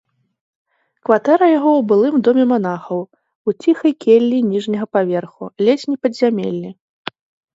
Кватэра яго ў былым доме манахаў, у ціхай келлі ніжняга паверху, ледзь не падзямеллі.